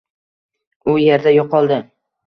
u yerda yo’qoldi.